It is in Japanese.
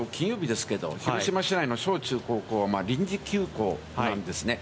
きょうは金曜日ですけれども、広島市内の小・中・高は臨時休校ですね。